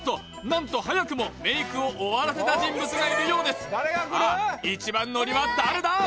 何と早くもメイクを終わらせた人物がいるようですさあ一番乗りは誰だ？